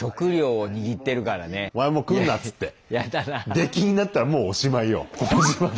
出禁になったらもうおしまいよこの島で。